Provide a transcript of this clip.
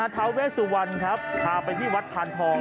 ท้าวเวสวรรค์พาไปที่วัดพันธอง